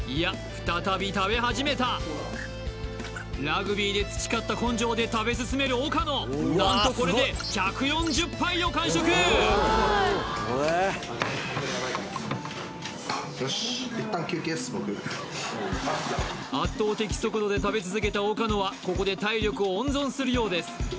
再び食べ始めたラグビーで培った根性で食べ進める岡野何とこれで１４０杯を完食よし圧倒的速度で食べ続けた岡野はここで体力を温存するようです